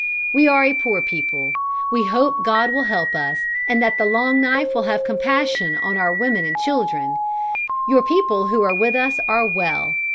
We are a poor people. We hope God will help us, and that the Long Knife will have compassion on our women and children. Your people who are with us are well.